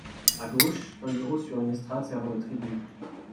À gauche, un bureau sur une estrade servant de tribune.